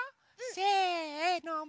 せの。